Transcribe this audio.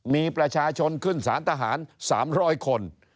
มีประชาชนขึ้นสารทหาร๓๐๐คน